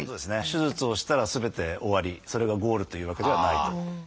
手術をしたらすべて終わりそれがゴールというわけではないと。